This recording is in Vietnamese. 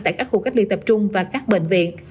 tại các khu cách ly tập trung và các bệnh viện